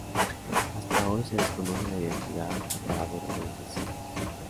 Hasta hoy se desconoce la identidad o el paradero de los asesinos.